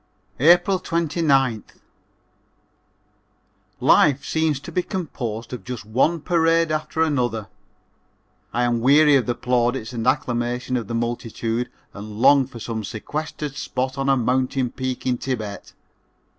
April 29th. Life seems to be composed of just one parade after another. I am weary of the plaudits and acclamation of the multitude and long for some sequestered spot on a mountain peak in Thibet.